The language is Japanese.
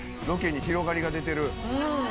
ロケに広がりが出てる。